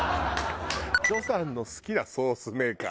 徐さんの好きなソースメーカー。